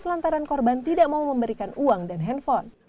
lantaran korban tidak mau memberikan uang dan handphone